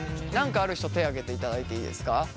何かある人手挙げていただいていいですか？